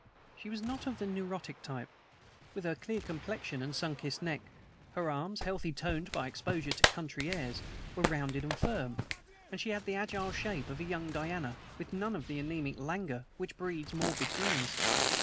She was not of the neurotic type, with her clear complexion and sun kissed neck; her arms, healthily toned by exposure to the country airs, were rounded and firm, and she had the agile shape of a young Diana with none of the anaemic languor which breeds morbid dreams.